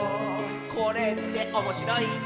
「これっておもしろいんだね」